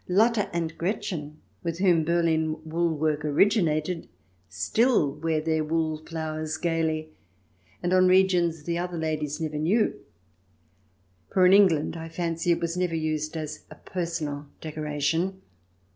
Lotte and Gretchen, with whom Berlin wool work originated, still wear their wool flowers gaily and on regions the other ladies never knew, for in England, I fancy, it was never used as a personal decoration.